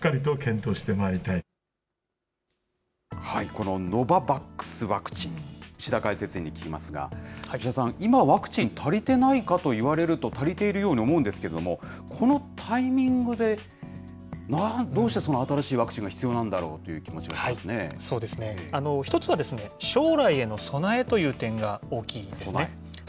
このノババックスワクチン、牛田解説委員に聞きますが、牛田さん、今ワクチン足りていないかというと、足りているように思うんですけれども、このタイミングでどうしてそのワクチンが必要なんだろうという気持ちがありますそうですね、１つは将来への備えという点が大きいですね。